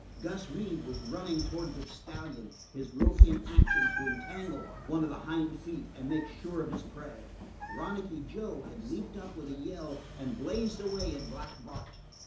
Gus Reeve was running towards the stallion, his rope in action to entangle one of the hindfeet and make sure of his prey; Ronicky Joe had leaped up with a yell and blazed away at Black Bart.